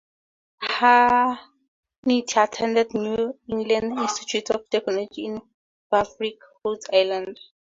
Hannity attended New England Institute of Technology at Warwick, Rhode Island.